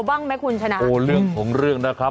เด็กมันเยอะสุดท้ายกลายเป็นว่ามีปากเสียงกันครับ